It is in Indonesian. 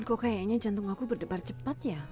kok kayaknya jantung aku berdebar cepat ya